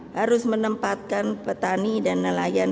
harus menempatkan petani dan nelayan